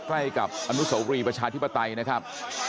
ใกล้กับอนุโสรีประชาธิปไตยนะครับ